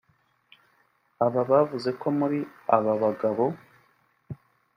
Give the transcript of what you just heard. Aba bavuze ko muri aba bagabo